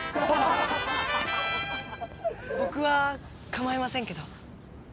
僕は構いませんけど。